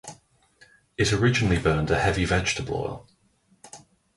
It originally burned a heavy vegetable oil.